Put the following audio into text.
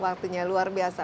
waktunya luar biasa